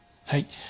はい。